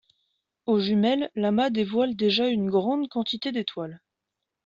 Aux jumelles, l'amas dévoile déjà une grande quantité d'étoiles.